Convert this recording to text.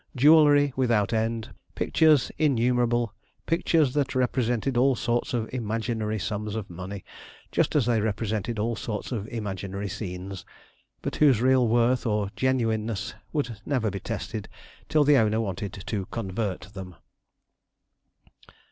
Jewellery without end, pictures innumerable, pictures that represented all sorts of imaginary sums of money, just as they represented all sorts of imaginary scenes, but whose real worth or genuineness would never be tested till the owner wanted to 'convert them.'